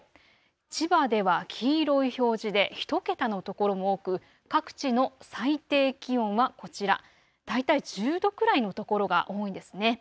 千葉では黄色い表示で１桁の所も多く各地の最低気温はこちら、大体１０度くらいの所が多いんですね。